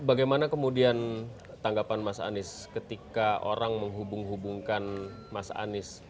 bagaimana kemudian tanggapan mas anies ketika orang menghubung hubungkan mas anies